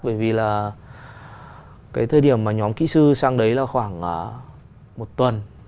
bởi vì là cái thời điểm mà nhóm kỹ sư sang đấy là khoảng một tuần